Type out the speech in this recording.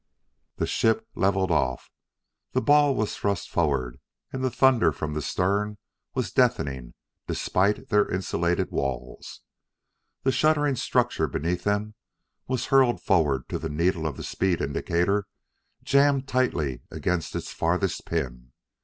The ship levelled off; the ball was thrust forward, and the thunder from the stern was deafening despite their insulated walls. The shuddering structure beneath them was hurled forward till the needle of the speed indicator jammed tightly against its farthest pin.